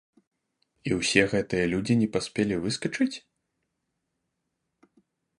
І ўсе гэтыя людзі не паспелі выскачыць?